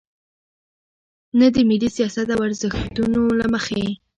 نه د ملي سیاست او ارزښتونو له مخې.